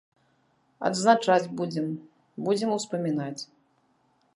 Адзначаць будзем, будзем успамінаць.